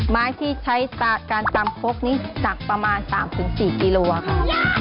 ไม้ที่ใช้การตำโค๊กนี้ตำประมาณ๓๔กิโลกรัมค่ะ